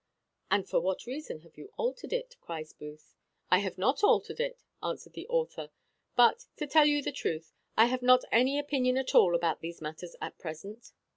"And for what reason have you altered it?" cries Booth. "I have not altered it," answered the author; "but, to tell you the truth, I have not any opinion at all about these matters at present.